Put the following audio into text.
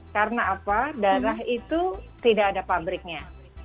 karena apa darah itu tidak ada pabriknya